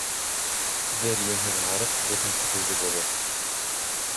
Бер йүнһеҙ һарыҡ бөтөн көтөүҙе боҙор.